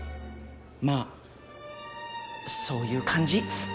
まぁそういう感じ。